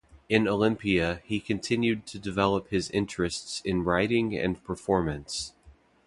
In Olympia, he continued to develop his interests in writing and performance.